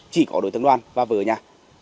chỉ có đối tượng đoàn và vợ nhà